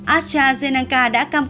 astrazeneca đã cam bố